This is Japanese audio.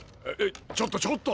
ちょっとちょっと。